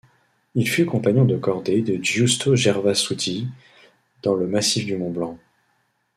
Il fut compagnon de cordée de Giusto Gervasutti dans le massif du Mont-Blanc.